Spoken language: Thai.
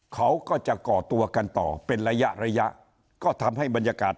เขาก็จะก่อตัวกันต่อเป็นระยะระยะก็ทำให้บรรยากาศ